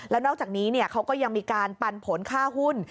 แล้วนอกจากนี้เขาก็ยังมีการปันผลค่าหุ้น